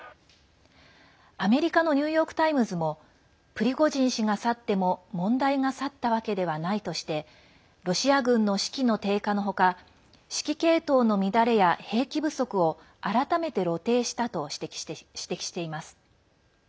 アメリカのニューヨーク・タイムズもプリゴジン氏が去っても問題が去ったわけではないとしてロシア軍の士気の低下の他指揮系統の乱れや兵器不足を改めて露呈したと指摘しています。